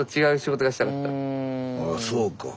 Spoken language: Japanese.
ああそうか。